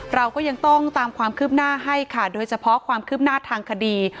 เราก็ยังต้องตามความคืบหน้าให้ค่ะโดยเฉพาะความคืบหน้าทางคดี